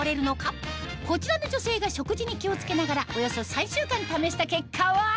こちらの女性が食事に気を付けながらおよそ３週間試した結果は？